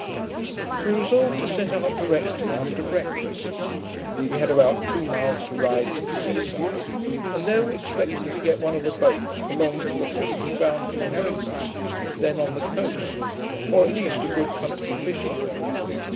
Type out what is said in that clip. We resolved to set out directly after breakfast. We had about two miles to ride to the sea side, and there we expected to get one of the boats belonging to the fleet of bounty herring busses then on the coast, or at least a good country fishing boat.